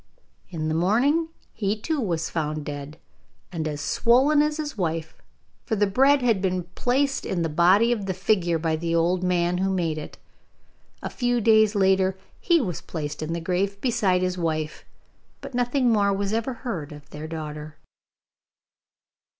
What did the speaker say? In the morning he too was found dead, and as swollen as his wife, for the bread had been placed in the body of the figure by the old man who made it. A few days later he was placed in the grave beside his wife, but nothing more was ever heard of their daughter.